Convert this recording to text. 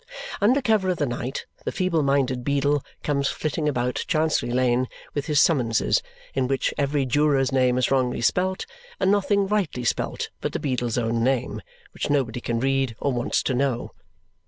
Under cover of the night, the feeble minded beadle comes flitting about Chancery Lane with his summonses, in which every juror's name is wrongly spelt, and nothing rightly spelt but the beadle's own name, which nobody can read or wants to know.